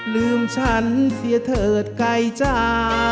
ลืมฉันเสียเถิดไกลจ้า